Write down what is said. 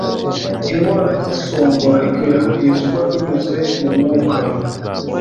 Indwara y'umusonga ikwirakwizwa binyuze mu mwuka